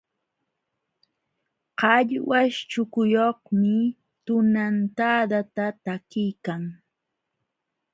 Qallwaśh chukuyuqmi tunantadata takiykan.